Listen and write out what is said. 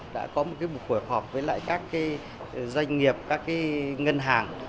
đã có một cái buổi khoa học với lại các doanh nghiệp các ngân hàng